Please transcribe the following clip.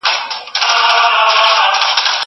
کتابتوني کار د مور له خوا ترسره کيږي!